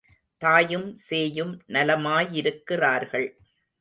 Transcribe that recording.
தாயும் சேயும் நலமாயிருக்கிறார்கள்.